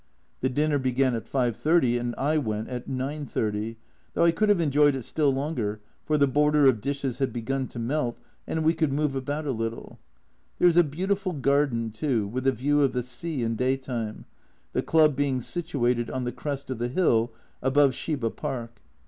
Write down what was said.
The dinner began at 5.30 and I went at 9.30, though I could have enjoyed it still longer, for the border of dishes had begun to melt, and we could move about a little. There is a beautiful garden, too, with a view of the sea in day time, the Club being situated on the crest of the hill above Shiba Park.